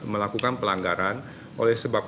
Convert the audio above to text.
melakukan pelanggaran oleh sebab